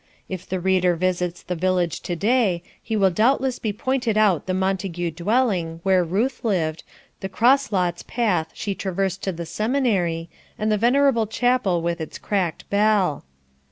If the reader visits the village to day, he will doubtless be pointed out the Montague dwelling, where Ruth lived, the cross lots path she traversed to the Seminary, and the venerable chapel with its cracked bell.